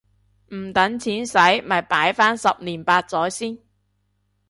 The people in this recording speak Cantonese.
唔等錢洗咪擺返十年八載先